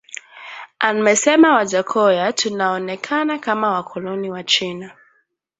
amesema Wajackoya Tunaonekana kama wakoloni wa China